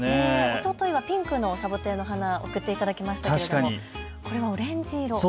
おとといはピンクのサボテンの花、送っていただきましたけれどもこれはオレンジ色。